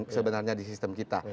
sebenarnya di sistem kita